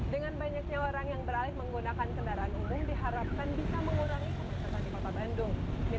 dengan banyaknya orang yang beralih menggunakan kendaraan umum diharapkan bisa mengurangi kemacetan di kota bandung